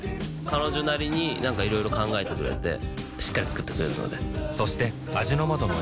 彼女なりになんかいろいろ考えてくれてしっかり作ってくれるのでそして味の素の栄養プログラム